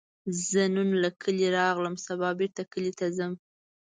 زه نن له کلي راغلم، سبا بیرته کلي ته ځم